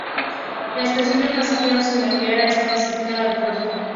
La estación de pasajeros en La Guaira estaba cercana al puerto.